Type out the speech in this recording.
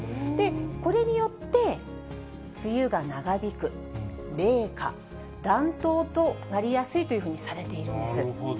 これによって、梅雨が長引く、冷夏、暖冬となりやすいというふうにされているんです。